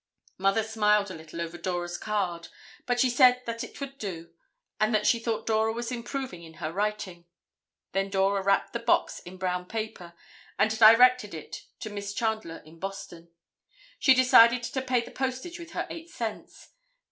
Mother smiled a little over Dora's card, but she said that it would do, and that she thought Dora was improving in her writing. Then Dora wrapped the box in brown paper and directed it to Miss Chandler in Boston. She decided to pay the postage with her eight cents.